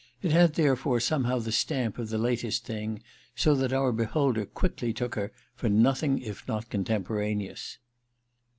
It had therefore somehow the stamp of the latest thing, so that our beholder quickly took her for nothing if not contemporaneous.